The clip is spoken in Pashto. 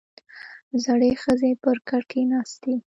• زړې ښځې پر کټ کښېناستې.